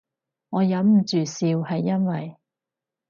我忍唔住笑係因為